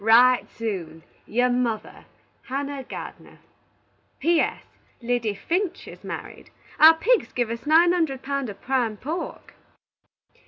Wright soon. "Your mother, HANNAH GARDENER" "P. S. Liddy Finch is married. Our pigs give us nine hunderd pound of prime pork."